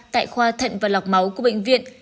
tại khoa thận và lọc máu của bệnh viện